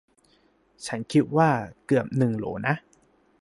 ฉันคิดว่าเกือบหนึ่งโหลนะ